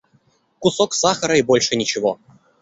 Кусок сахара и больше ничего.